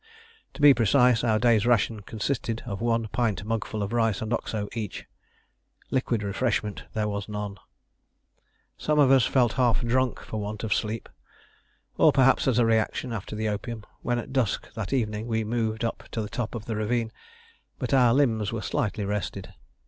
To be precise, our day's ration consisted of one pint mugful of rice and Oxo each: liquid refreshment there was none. Some of us felt half drunk for want of sleep, or perhaps as a reaction after the opium, when at dusk that evening we moved up to the top of the ravine; but our limbs were slightly rested.